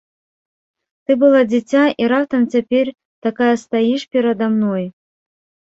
Ты была дзіця і раптам цяпер такая стаіш перада мной!